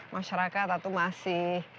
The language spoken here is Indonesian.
masyarakat atau masih